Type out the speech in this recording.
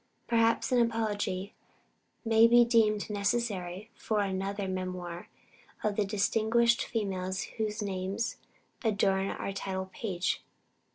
Perhaps an apology may be deemed necessary for another memoir of the distinguished females whose names adorn our title page.